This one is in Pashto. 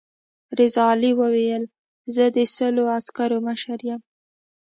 رضا علي وویل زه د سلو عسکرو مشر یم.